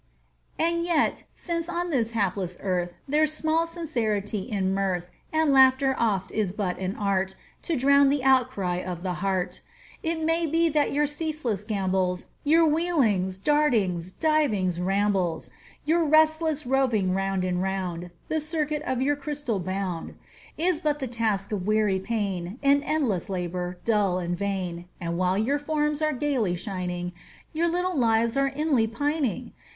And yet, since on this hapless earth There's small sincerity in mirth, And laughter oft is but an art To drown the outcry of the heart; It may be that your ceaseless gambols, Your wheelings, dartings, divings, rambles, Your restless roving round and round, The circuit of your crystal bound Is but the task of weary pain, An endless labor, dull and vain; And while your forms are gaily shining, Your little lives are inly pining!